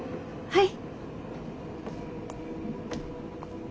はい。